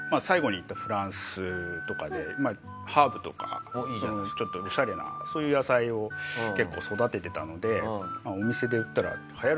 最後に行ったフランスとかでハーブとかちょっとオシャレなそういう野菜を結構育ててたので。